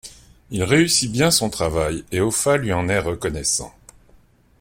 Il réussit bien son travail, et Hoffa lui en est reconnaissant.